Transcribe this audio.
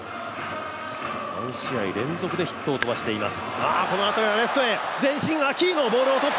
３試合連続でヒットを飛ばしています。